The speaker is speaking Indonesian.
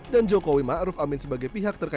dan jokowi ma'ruf amin sebagai pihak terkait timbangan